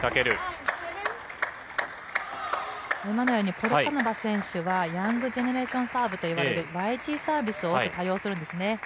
ポルカノバ選手はヤングジェネレーションサーブといわれるＹＧサービスを多用するんですね。